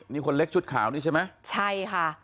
นี่คนเล็กชุดขาวนี่ใช่ไหมใช่ค่ะ